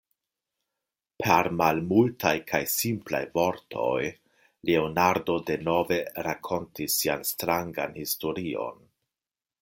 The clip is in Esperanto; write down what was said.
Per malmultaj kaj simplaj vortoj Leonardo denove rakontis sian strangan historion.